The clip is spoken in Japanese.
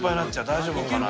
大丈夫かな？